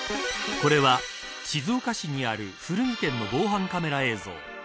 これは静岡市にある古着店の防犯カメラ映像。